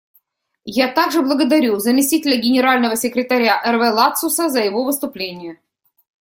Я также благодарю заместителя Генерального секретаря Эрве Ладсуса за его выступление.